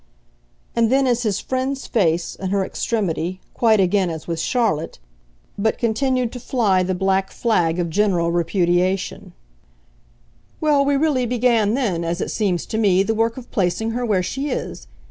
And then as his friend's face, in her extremity, quite again as with Charlotte, but continued to fly the black flag of general repudiation: "Well, we really began then, as it seems to me, the work of placing her where she is.